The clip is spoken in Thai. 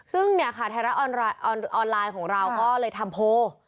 ซึ่งเนี่ยค่ะไทยรัฐออนไลน์ของเราก็เลยทำโพล